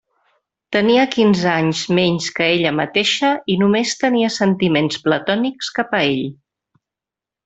Tenia quinze anys menys que ella mateixa i només tenia sentiments platònics cap a ell.